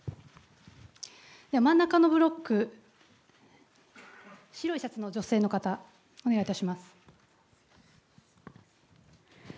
では真ん中のブロック、白いシャツの女性の方、お願いいたします。